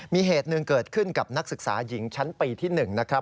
มีเหตุหนึ่งเกิดขึ้นกับนักศึกษาหญิงชั้นปีที่๑นะครับ